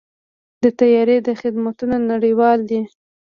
د طیارې خدمتونه نړیوال دي.